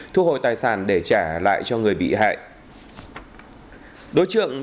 thu hồi tài sản để trả lại cho người bị hại